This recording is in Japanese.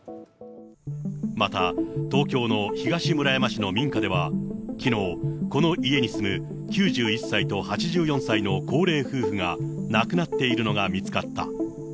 また、東京の東村山市の民家では、きのう、この家に住む９１歳と８４歳の高齢夫婦が亡くなっているのが見つかった。